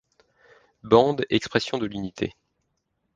Bande, expression de l'unité.